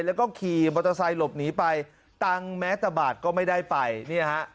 แล้วก็ขี่มอเตอร์ไซค์หลบหนีไปตังค์แม้แต่บาทก็ไม่ได้ไปเนี่ยฮะ